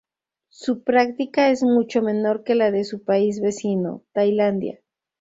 Su práctica es mucho menor que la de su país vecino, Tailandia.